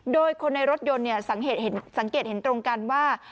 โดยคนในรถยนต์สังเกตเห็นตรงกันว่า